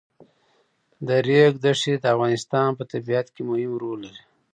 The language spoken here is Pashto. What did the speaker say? د ریګ دښتې د افغانستان په طبیعت کې مهم رول لري.